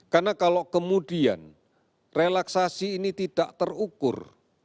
karena kalau kemudian relaksasi ini tidak terukur